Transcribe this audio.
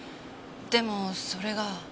でもそれが。